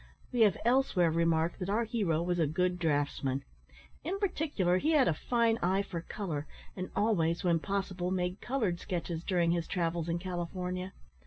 We have elsewhere remarked that our hero was a good draughtsman. In particular, he had a fine eye for colour, and always, when possible, made coloured sketches during his travels in California.